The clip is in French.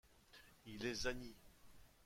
Il est zanni.